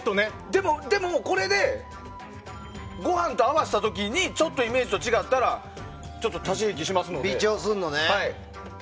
でも、これでご飯と合わせた時にちょっとイメージと違ったら足し引きしますので。